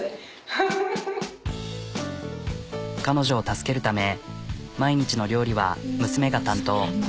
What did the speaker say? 彼女を助けるため毎日の料理は娘が担当。